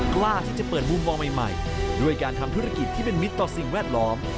กล้าที่จะเปิดมุมมองใหม่ด้วยการทำธุรกิจที่เป็นมิตรต่อสิ่งแวดล้อม